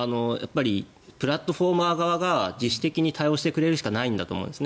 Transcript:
プラットフォーマー側が自主的に対応してくれるしかないと思うんです。